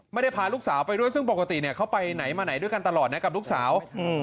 พาลูกสาวไปด้วยซึ่งปกติเนี่ยเขาไปไหนมาไหนด้วยกันตลอดนะกับลูกสาว